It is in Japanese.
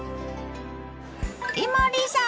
伊守さん！